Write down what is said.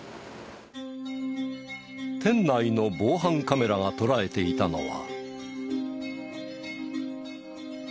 店内の防犯カメラが捉えていたのは。